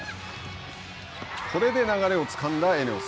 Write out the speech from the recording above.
これで流れをつかんだＥＮＥＯＳ。